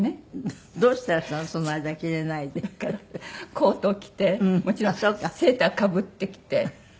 コート着てもちろんセーターかぶって着て。